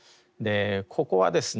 ここはですね